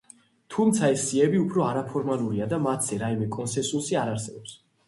თუმცა ეს სიები უფრო არაფორმალურია და მათზე რაიმე კონსენსუსი არ არსებობს.